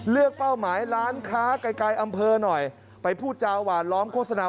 เป้าหมายร้านค้าไกลอำเภอหน่อยไปพูดจาหวานล้อมโฆษณา